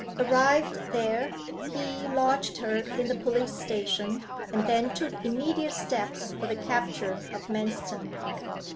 Arrived there, he lodged her in the police station, and then took immediate steps for the capture of Manston.